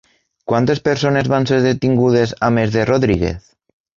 Quantes persones van ser detingudes a més de Rodríguez?